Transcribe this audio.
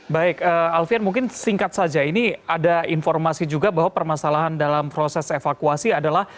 baik alfian mungkin singkat saja ini ada informasi juga bahwa permasalahan dalam proses evakuasi adalah